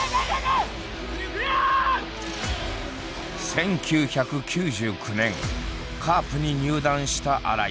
１９９９年カープに入団した新井。